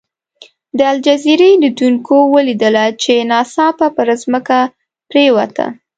د الجزیرې لیدونکو ولیدله چې ناڅاپه پر ځمکه پرېوته.